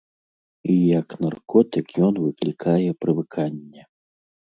І як наркотык ён выклікае прывыканне.